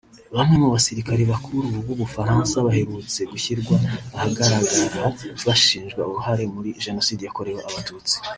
Bamwe mu basirikare bakuru b’u Bufaransa baherutse gushyirwa ahagaragara bashinjwa uruhare muri Jenoside yakorewe Abatutsi